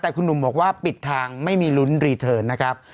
แต่คุณหนุ่มบอกว่าปิดทางไม่มีลุ้นรีเทิร์นนะครับ